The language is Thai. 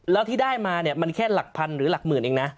แล้วที่ได้มาเนี่ยมันแค่หลักพันหรือหลักหมื่นเองนะ